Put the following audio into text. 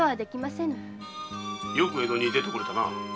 よく江戸に出てこられたな。